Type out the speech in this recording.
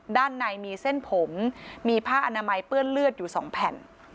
ด้านในมีเส้นผมมีผ้าอนามัยเปื้อนเลือดอยู่๒แผ่น